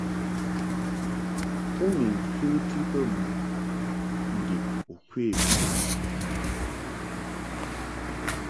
U ni mfəti bə mɨ ndib u kwe faʼ a ?